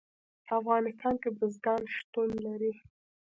په افغانستان کې بزګان شتون لري.